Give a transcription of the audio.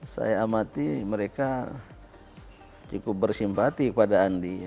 saya amati mereka cukup bersimpati kepada andi